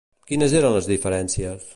Quines eres les diferències?